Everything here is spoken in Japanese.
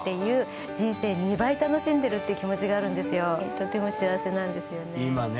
とても幸せなんですよね。